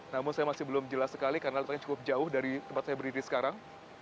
namun saya masih belum jelas sekali karena letaknya cukup jauh dari tempat saya berdiri sekarang